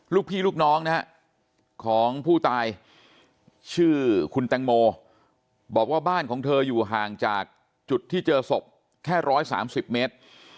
ลูกพี่ลูกน้องนะฮะของผู้ตายชื่อคุณแตงโมบอกว่าบ้านของเธออยู่ห่างจากจุดที่เจอศพแค่๑๓๐เมตร